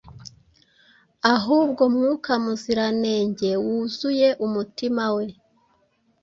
ahubwo Mwuka Muziranenge wuzuye umutima we